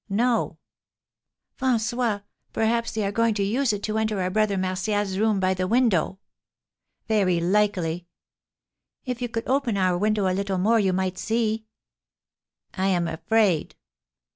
"No." "François, perhaps they are going to use it to enter our Brother Martial's room by the window!" "Very likely." "If you could open our window a little more you might see." "I am afraid."